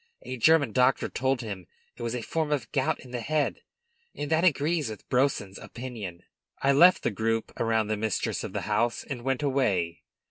A German doctor told him it was a form of gout in the head, and that agrees with Brousson's opinion." I left the group around the mistress of the house and went away.